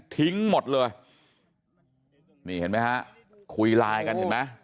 ทิ้งหมดเลยนี่เห็นไหมฮะคุยไลน์กันเห็นไหม